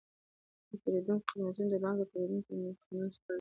د پیرودونکو خدمتونه د بانک او پیرودونکي ترمنځ پل دی۔